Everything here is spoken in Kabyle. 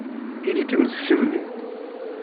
Ili-kem d kemmi.